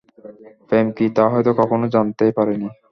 প্রেম কী তা হয়ত কখনও জানতেই পারিনি।